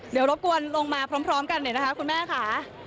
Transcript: เดี๋ยวรบกวนลงมาพร้อมกันเลยนะคะคุณแม่ค่ะ